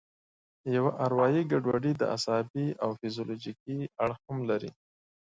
یوه اروایي ګډوډي ده چې عصبي او فزیولوژیکي اړخ هم لري.